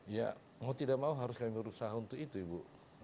ya mau tidak mau harus kami berusaha untuk itu ibu